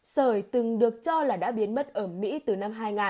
sởi từng được cho là đã biến mất ở mỹ từ năm hai nghìn